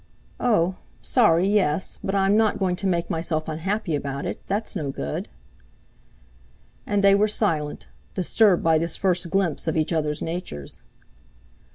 "Oh! sorry—yes, but I'm not going to make myself unhappy about it; that's no good." And they were silent, disturbed by this first glimpse of each other's natures.